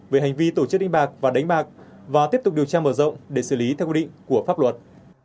về hành vi tổ chức đánh bạc và đánh bạc và tiếp tục điều tra mở rộng để xử lý theo quy định của pháp luật